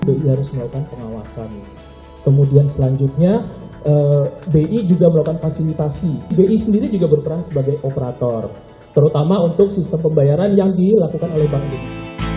bi harus melakukan pengawasan kemudian selanjutnya bi juga melakukan fasilitasi bi sendiri juga berperan sebagai operator terutama untuk sistem pembayaran yang dilakukan oleh bank bi